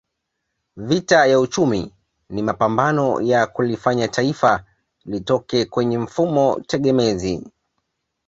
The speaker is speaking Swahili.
Vita ya uchumi ni mapambano ya kulifanya Taifa litoke kwenye mfumo tegemezi